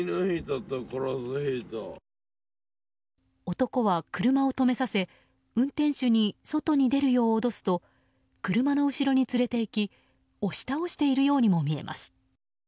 男は車を止めさせ運転手に外に出るよう脅すと車の後ろに連れていき押し倒しているようにも見えます。